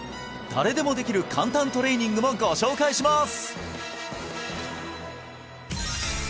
誰でもできる簡単トレーニングもご紹介します！